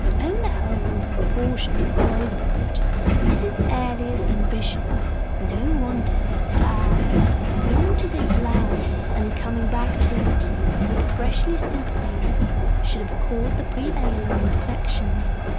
To own the whole or a portion of a row boat is his earliest ambition. No wonder that I, born to this life, and coming back to it with freshest sympathies, should have caught the prevailing infection.